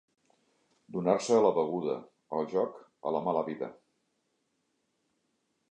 Donar-se a la beguda, al joc, a la mala vida.